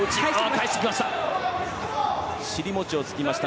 返してきました！